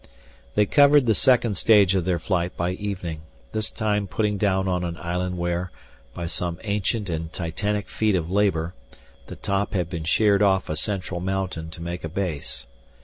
They covered the second stage of their flight by evening, this time putting down on an island where, by some ancient and titanic feat of labor, the top had been sheared off a central mountain to make a base.